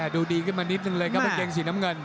ดูดีขึ้นมานิดนึงเลยครับกางเกงสีน้ำเงิน